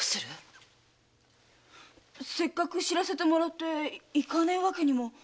せっかく報せてもらって行かねえわけには。